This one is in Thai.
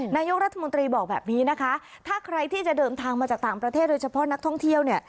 นายกรัฐมนตรีบอกแบบนี้นะคะถ้าใครที่จะเดินทางมาจากต่างประเทศโดยเฉพาะนักท่องเที่ยวเนี่ย